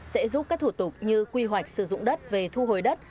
sẽ giúp các thủ tục như quy hoạch sử dụng đất về thu hồi đất